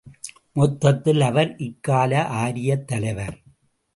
மொத்தத்தில் அவர் இக்கால ஆரியத் தலைவர்.